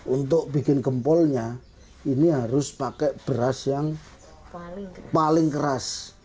untuk bikin gempolnya ini harus pakai beras yang paling keras